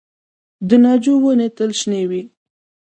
د ناجو ونې تل شنې وي؟